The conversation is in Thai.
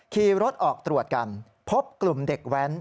ขี่รถออกตรวจกันพบกลุ่มเด็กแว้น